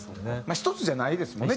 １つじゃないですもんね